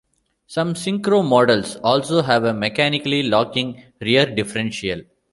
Some syncro models also have a mechanically locking rear differential.